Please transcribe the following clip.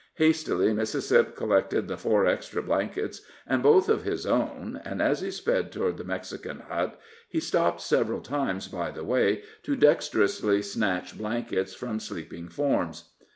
Hastily Mississip collected the four extra blankets and both of his own, and, as he sped toward the Mexican hut, he stopped several times by the way to dexterously snatch blankets from sleeping forms.